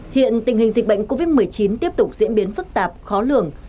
hiện tình hình dịch bệnh covid một mươi chín tiếp tục diễn biến phức tạp khó lường